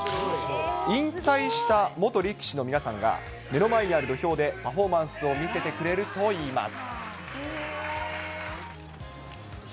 引退した元力士の皆さんが、目の前にある土俵でパフォーマンスを見せてくれるといいます。